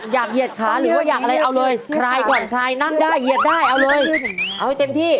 เหยียดขาหรือว่าอยากอะไรเอาเลยใครก่อนใครนั่งได้เหยียดได้เอาเลยเอาให้เต็มที่